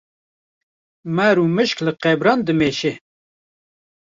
Mar û mişk li qebran dimeşe